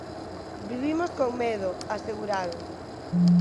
"Vivimos con medo", aseguraron.